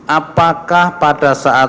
apakah pada saat